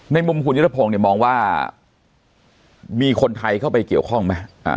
มุมคุณยุทธพงศ์เนี่ยมองว่ามีคนไทยเข้าไปเกี่ยวข้องไหม